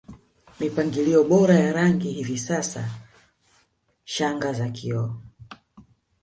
mipangilio bora ya rangi Hivi sasa shanga za kioo